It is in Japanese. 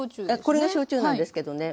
これが焼酎なんですけどね。